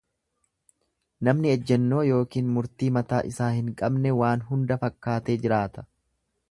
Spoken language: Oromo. Namni ejjennoo ykn murtii mataa isaa hin qabne waan hunda fakkaatee jiraata.